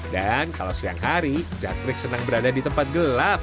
dan kalau siang hari jangkrik senang berada di tempat gelap